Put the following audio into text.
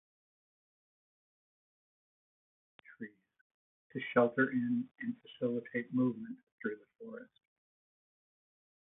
Gliders use dead trees to shelter in and facilitate movement through the forest.